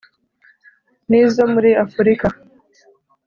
nizo muri Afurika